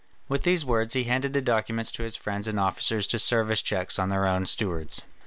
With these words he handed the documents to his friends and officers to serve as checks on their own stewards.